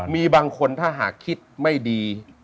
มีบางคนถ้าหากคิดไม่ดี